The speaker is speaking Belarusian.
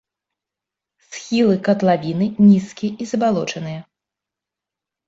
Схілы катлавіны нізкія і забалочаныя.